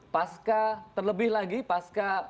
pasca terlebih lagi pasca